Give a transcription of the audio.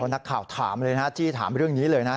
นักข่าวถามเลยนะจี้ถามเรื่องนี้เลยนะ